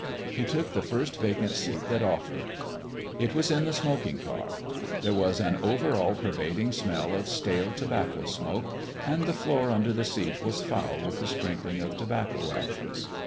He took the first vacant seat that offered; it was in the smoking car. There was an all pervading smell of stale tobacco smoke, and the floor under the seat was foul with the sprinkling of tobacco ashes.